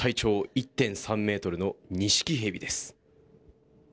１．３ｍのニシキヘビです。